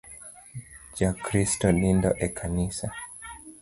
Ja Kristo nindo e kanisa